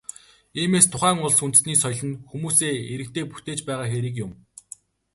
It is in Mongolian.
Иймээс, тухайн улс үндэстний соёл нь хүмүүсээ, иргэдээ бүтээж байгаа хэрэг юм.